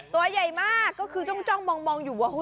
ตัวใหญ่มากก็คือจ้องมองอยู่ว่า